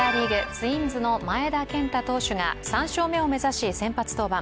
ツインズの前田健太投手が３勝目を目指し、先発登板。